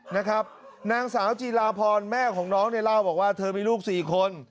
นางสาวจีราพรแม่ของน้องเนี่ยเล่าบอกว่าเธอมีลูก๔คน